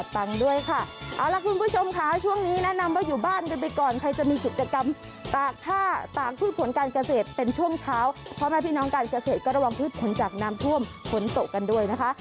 น้องกาลเกษตรเป็นช่วงเช้าพอมาพี่น้องกาลเกษตรก็ระวังทุกขุมจากน้ำท่วมขนโตกันด้วยนะคะ